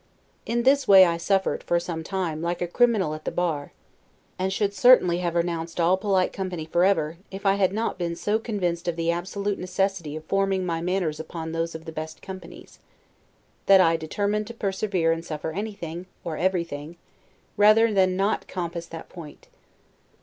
In this way I suffered, for some time, like a criminal at the bar; and should certainly have renounced all polite company forever, if I had not been so convinced of the absolute necessity of forming my manners upon those of the best companies, that I determined to persevere and suffer anything, or everything, rather than not compass that point.